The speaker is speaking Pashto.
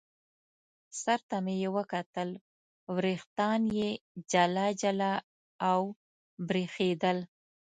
سر ته مې یې وکتل، وریښتان یې جلا جلا او برېښېدل.